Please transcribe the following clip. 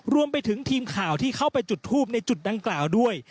รวมไปถึงทีมข่าวที่เข้าไปจุดทูปในจุดดังกล่าวด้วย